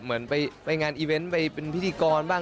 มาไปงานอีเว้นมาไปน้องแอลี่ยกว่าคนหรือเป็นพิธีกรบ้าง